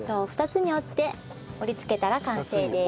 ２つに折って盛り付けたら完成です。